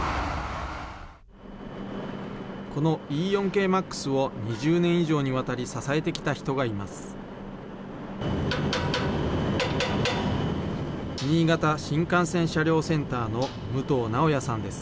このＥ４系Ｍａｘを２０年以上にわたり、支えてきた人がいます。